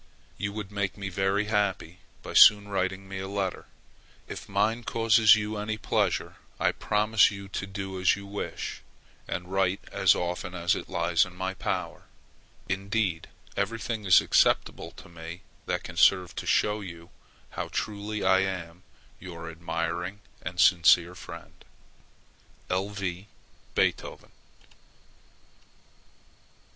You would make me very happy by soon writing me a kind letter. If mine cause you any pleasure, I promise you to do as you wish, and write as often as it lies in my power; indeed everything is acceptable to me that can serve to show you how truly I am your admiring and sincere friend, L. V. BEETHOVEN.